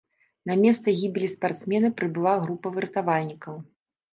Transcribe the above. На месца гібелі спартсмена прыбыла група выратавальнікаў.